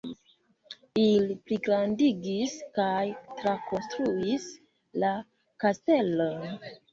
Ili pligrandigis kaj trakonstruis la kastelon.